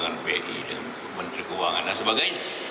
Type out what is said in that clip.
kita akan menemukan semua